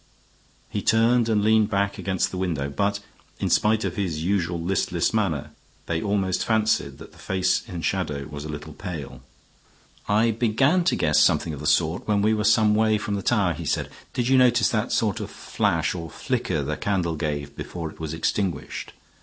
He turned and leaned back against the window, but, in spite of his usual listless manner, they almost fancied that the face in shadow was a little pale. "I began to guess something of the sort when we were some way from the tower," he said. "Did you notice that sort of flash or flicker the candle gave before it was extinguished?